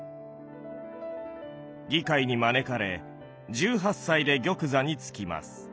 議会に招かれ１８歳で玉座につきます。